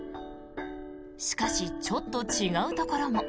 しかし、ちょっと違うところも。